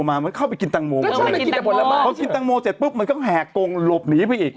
ใช้แตงโม้เสร็จปุ๊บมันก็แหกกงหลบนีไปอีก